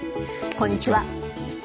こんにちは。